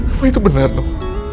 apa itu benar nop